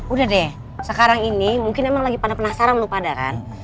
udah deh sekarang ini mungkin emang lagi pada penasaran loh pada kan